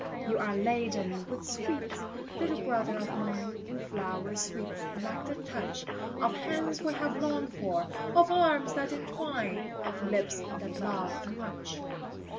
You are laden with sweets, little brother of mine, Flower sweets, like the touch Of hands we have longed for, of arms that entwine, Of lips that love much.